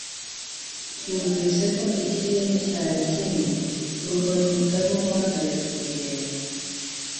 Twumvise ko ikirere cyari kibi, nuko duhitamo guhagarika urugendo